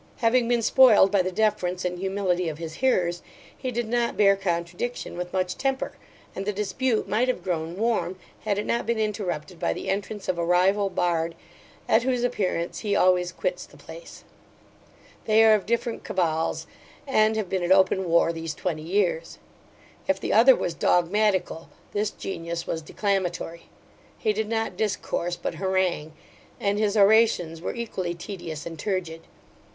Having been spoiled by the deference and humility of his hearers, he did not bear contradiction with much temper; and the dispute might have grown warm, had it not been interrupted by the entrance of a rival bard, at whose appearance he always quits the place They are of different cabals, and have been at open war these twenty years If the other was dogmatical, this genius was declamatory: he did not discourse, but harangue; and his orations were equally tedious and turgid.